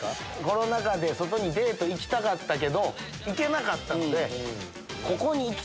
コロナ禍で外にデート行きたかったけど行けなかったので。